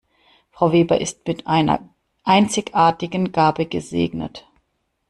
Frau Weber ist mit einer einzigartigen Gabe gesegnet.